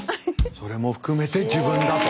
それも含めて自分だと。